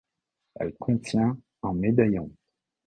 Elle contient en médaillons.